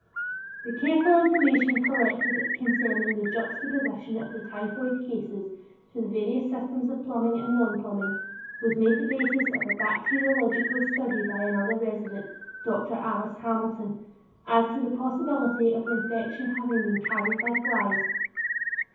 The careful information collected concerning the juxtaposition of the typhoid cases to the various systems of plumbing and nonplumbing was made the basis of a bacteriological study by another resident, Dr. Alice Hamilton, as to the possibility of the infection having been carried by flies.